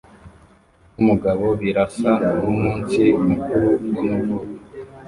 numugabo Birasa nkumunsi mukuru wamavuko